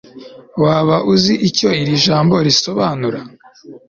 waba uzi icyo iri jambo risobanura